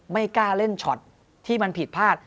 ไม่กล้าเล่นช็อตที่มันผิดพลาด